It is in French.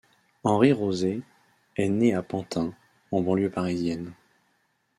Henri Roser est né à Pantin, en banlieue parisienne.